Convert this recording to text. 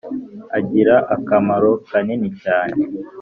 agira akamaro kanini cyane